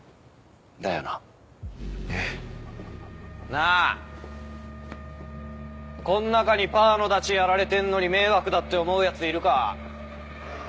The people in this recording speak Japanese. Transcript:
なあこん中にパーのダチやられてんのに迷惑だって思うやついるか？